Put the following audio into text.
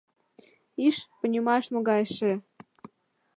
Иш, понимайш, могай эше!